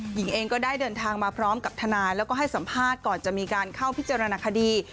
หญิงเองก็ได้เดินทางมาพร้อมกับทนายแล้วก็ให้สัมภาษณ์ก่อนจะมีการเข้าพิจารณาคดี